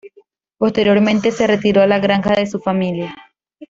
Posteriormente se retiró a la granja de su familia.